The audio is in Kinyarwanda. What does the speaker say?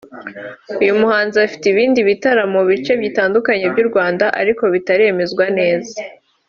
uyu muhanzi afite ibindi bitaramo mu bice bitandukanye by’u Rwanda ariko bitaremezwa neza